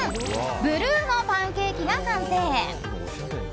ブルーのパンケーキが完成。